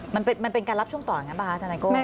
มันเป็นการรับช่วงต่ออย่างนั้นป่ะคะธนายโก้